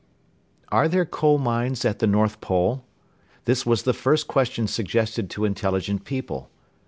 Are there coal mines at the North Pole? This was the first question suggested to intelligent people.